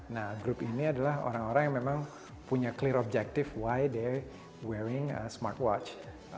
nah grup ini adalah orang orang yang memang punya objektif jelas mengapa mereka memakai smartwatch